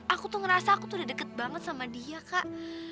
aku tuh ngerasa aku tuh udah deket banget sama dia kak